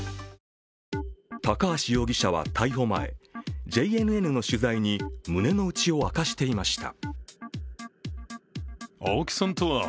高橋容疑者は逮捕前ＪＮＮの取材に胸のうちを明かしていました。